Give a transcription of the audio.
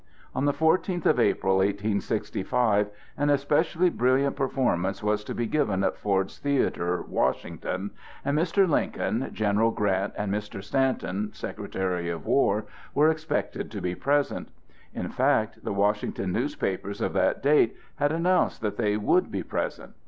On the fourteenth of April, 1865, an especially brilliant performance was to be given at Ford's Theatre, Washington, and Mr. Lincoln, General Grant, and Mr. Stanton, Secretary of War, were expected to be present; in fact, the Washington newspapers of that date had announced that they would be present.